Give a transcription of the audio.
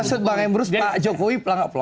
jadi maksud bang embrus pak jokowi pelanggap lo